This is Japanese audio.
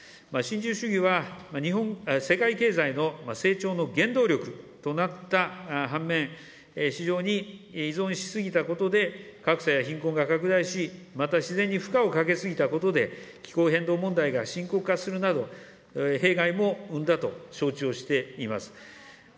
新自由主義は、世界経済の成長の原動力となった半面、非常に依存し過ぎたことで、格差や貧困が拡大し、また自然に負荷をかけ過ぎたことで、気候変動問題が深刻化するなど、弊害も生んだと承知をしています。